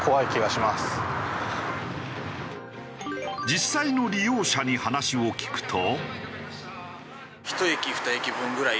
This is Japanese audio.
実際の利用者に話を聞くと。